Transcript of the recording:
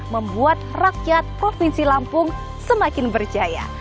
membuat rakyat provinsi lampung semakin berjaya